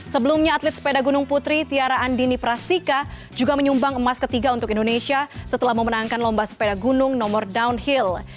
sebelumnya atlet sepeda gunung putri tiara andini prastika juga menyumbang emas ketiga untuk indonesia setelah memenangkan lomba sepeda gunung nomor downhill